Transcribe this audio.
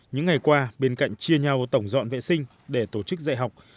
những ngày qua bên cạnh chia nhau tổng dọn vệ sinh để tổ chức dạy học